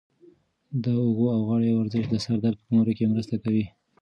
د اوږو او غاړې ورزش د سر درد په کمولو کې مرسته کوي.